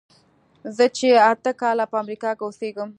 زه چې اته کاله په امریکا کې اوسېږم.